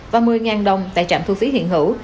và một mươi đồng tại trạm thu phí hiện hữu